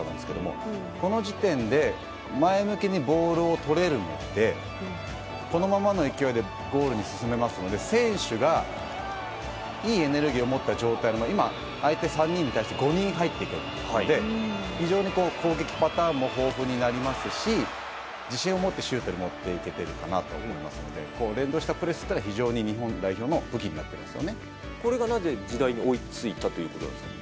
この時点で前向きにボールをとれるのでこのままの勢いでゴールに進めますので選手がいいエネルギーを持った状態の今、相手３人に対して５人入っていきましたので非常に攻撃パターンも豊富になりますし自信を持ってシュートに持っていけているかなと思いますので連動したプレスというのは非常に日本代表のこれがなぜ時代に追いついたということなんですか？